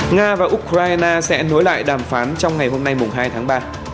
nga và ukraine sẽ nối lại đàm phán trong ngày hôm nay hai tháng ba